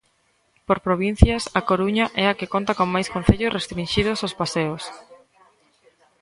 Por provincias, A Coruña é a que conta con máis concellos restrinxidos aos paseos.